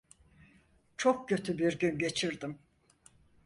Çok kötü bir gün geçirdim.